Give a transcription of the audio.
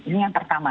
ini yang pertama